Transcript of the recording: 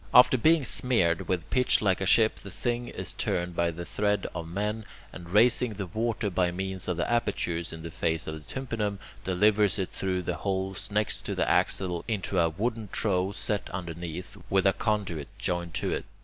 After being smeared with pitch like a ship, the thing is turned by the tread of men, and raising the water by means of the apertures in the face of the tympanum, delivers it through the holes next to the axle into a wooden trough set underneath, with a conduit joined to it.